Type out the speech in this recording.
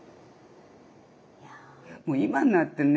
もういまになってね